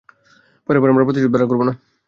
পরের বার আমার ভাড়া পরিশোধ করবে না।